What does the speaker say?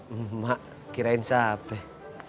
emak kirain ab keh